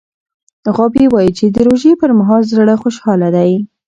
غابي وايي چې د روژې پر مهال زړه خوشحاله دی.